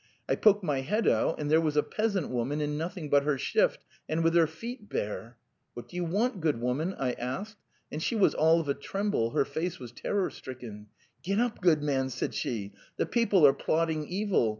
I poke my head out, and there was a peasant woman in noth ing but her shift and with her feet bare. ... 'What do you want, good woman?' I asked. And she was all of a tremble; her face was terror stricken. Get ae ile man,' said she; ' the people are plotting evil.